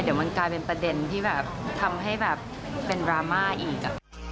เดี๋ยวมันกลายเป็นประเด็นที่แบบทำให้แบบเป็นดราม่าอีก